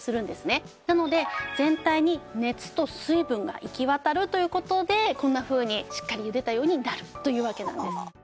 なので全体に熱と水分が行き渡るという事でこんなふうにしっかりゆでたようになるというわけなんです。